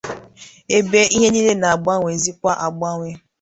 ebe ihe niile na-agbanwèzịkwa agbanwè